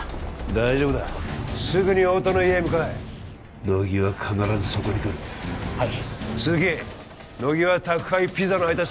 大丈夫だすぐに太田の家へ向かえ乃木は必ずそこに来るはい鈴木乃木は宅配ピザの配達